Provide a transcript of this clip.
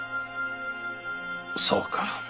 そうか。